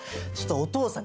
お父さん！